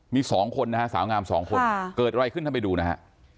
มี๒คนนะฮะสาวงาม๒คนเกิดอะไรขึ้นท่านไปดูนะฮะ